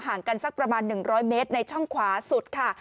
กันสักประมาณ๑๐๐เมตรในช่องขวาสุดค่ะ